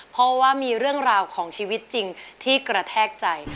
เพราะว่ามีเรื่องราวของชีวิตจริงที่กระแทกใจ